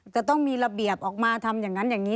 จะต้องมีระเบียบออกมาทำอย่างนั้นอย่างนี้